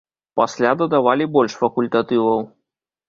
Пасля дадавалі больш факультатываў.